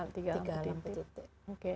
tiga lampu titik